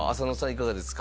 いかがですか？